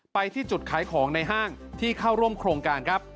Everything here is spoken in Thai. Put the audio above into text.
ไปที่จุดขายของในห้างที่เข้าร่วมโครงการครับ